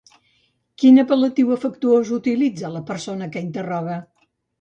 Quin apel·latiu afectuós utilitza la persona que interroga?